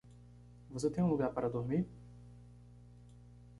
Você tem um lugar para dormir?